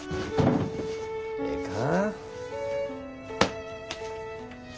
ええか？